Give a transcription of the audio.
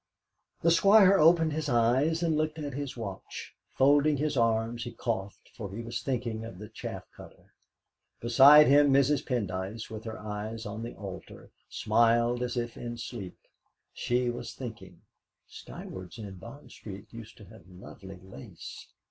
The Squire opened his eyes and looked at his watch. Folding his arms, he coughed, for he was thinking of the chaff cutter. Beside him Mrs. Pendyce, with her eyes on the altar, smiled as if in sleep. She was thinking, 'Skyward's in Bond Street used to have lovely lace.